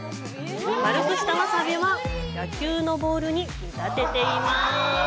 丸くしたワサビは野球のボールに見立てています。